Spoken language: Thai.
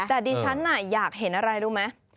แต่ดิฉันอยากเห็นอะไรรู้ไหม